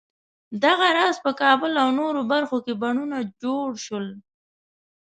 دغه راز په کابل او نورو برخو کې بڼونه جوړ شول.